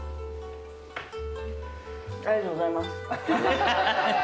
ありがとうございます。